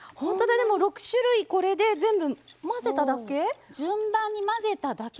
でも６種類、これ混ぜただけ。